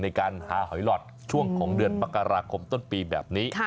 ในการหาหอยหลอดช่วงของเดือนมกราคมต้นปีแบบนี้